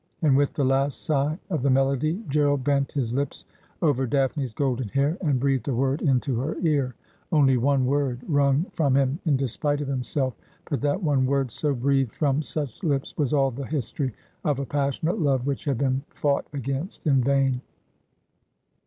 ' and with the last sigh of the melody, Gerald bent his lips over Daphne's golden hair and breathed a word into her ear — only one word, wrung from him in despite of himself. But that one word so breathed from such lips was all the history of a passionate love which had been fought against in vain.